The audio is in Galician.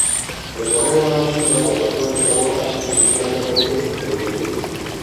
Recorreu á axuda do patrón de cabotaxe Cipriano Ponte Rodríguez.